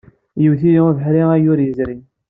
Iwet-iyi ubeḥri ayyur yezrin.